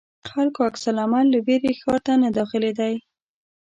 خلکو عکس العمل له وېرې ښار ته نه داخلېدی.